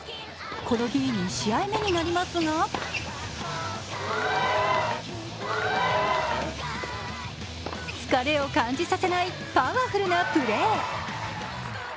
この日、２試合目になりますが疲れを感じさせないパワフルなプレー。